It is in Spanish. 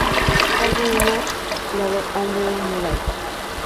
Salvo una: la de Andrew Moray.